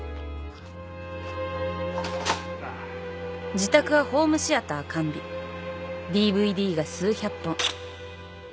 自宅はホームシアター完備ＤＶＤが数百本。